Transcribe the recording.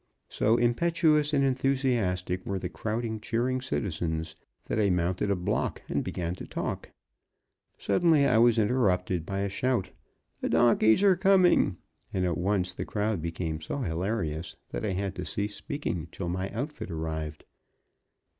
So impetuous and enthusiastic were the crowding, cheering citizens that I mounted a block and began to talk. Suddenly, I was interrupted by a shout, "The donkeys are coming," and at once the crowd became so hilarious that I had to cease speaking till my outfit arrived.